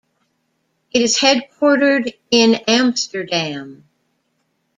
It is headquartered in Amsterdam.